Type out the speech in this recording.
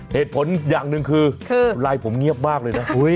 เหตุผลอย่างหนึ่งคือไลน์ผมเงียบมากเลยนะ